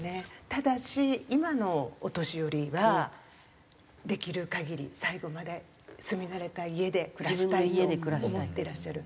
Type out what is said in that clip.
ただし今のお年寄りはできる限り最後まで住み慣れた家で暮らしたいと思ってらっしゃる。